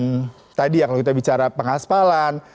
kemudian juga terkait dengan tadi ya kalau kita bicara pengaspalan